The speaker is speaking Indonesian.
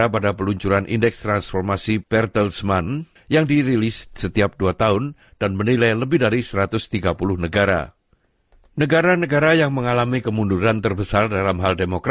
kanselir jerman olaf scholz menyerukan untuk mempertahankan integritas sistem politik